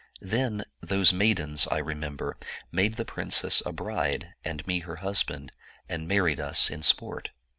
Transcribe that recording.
Then those maidens, I remember, made the princess a bride, and me her husband, and married us in sport.